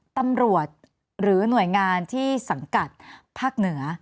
ตำรวจหรือหน่วยงานที่สังกัดภาคเหนือ